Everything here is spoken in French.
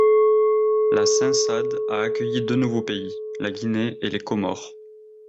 La Cen-Sad a accueilli deux nouveaux pays: La Guinée et les Comores.